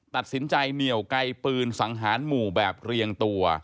ตัดสินใจเหนียวไกลปืนสังหารหมู่แบบเรียงตัว